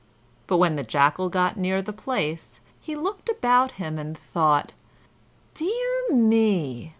But when the Jackal got near the place, he looked about him and thought: "Dear me!